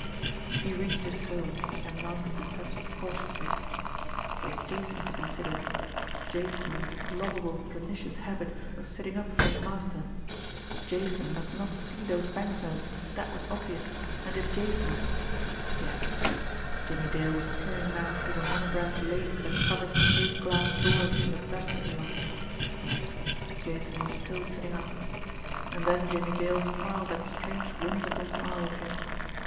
He reached his home, and mounted the steps cautiously. There was Jason to consider Jason with his lovable pernicious habit of sitting up for his master. Jason must not see those banknotes, that was obvious, and if Jason yes! Jimmie Dale was peering now through the monogrammed lace that covered the plate glass doors in the vestibule yes, Jason was still sitting up. And then Jimmie Dale smiled that strange whimsical smile of his.